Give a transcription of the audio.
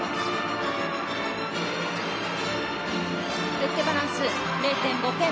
フェッテバランス、０．５点。